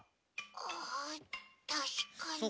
あたしかに。